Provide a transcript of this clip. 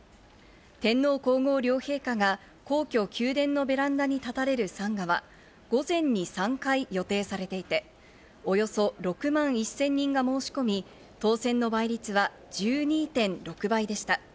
天皇皇后両陛下が皇居・宮殿のベランダに立たれる参賀は午前に３回予定されていて、およそ６万１０００人が申し込み、当選の倍率は１２．６倍でした。